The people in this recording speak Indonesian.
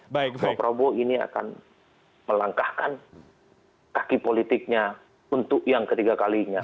pak prabowo ini akan melangkahkan kaki politiknya untuk yang ketiga kalinya